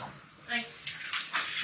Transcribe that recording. はい！